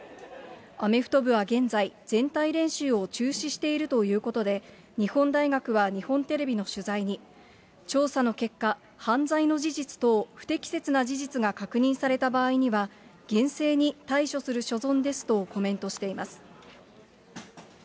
アメフト部は現在、全体練習を中止しているということで、日本大学は日本テレビの取材に、調査の結果、犯罪の事実等、不適切な事実が確認された場合には、厳正に対処する所存ですとコメントしています。